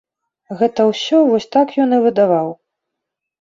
Гэта ўсё вось так ён і выдаваў.